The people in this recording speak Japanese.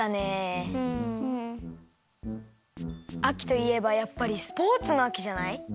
あきといえばやっぱりスポーツのあきじゃない？